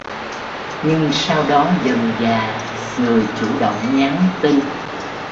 Nhưng sau đó dần dà người chủ động nhắn tin